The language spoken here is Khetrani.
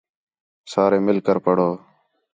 سارے مِل کر پڑھو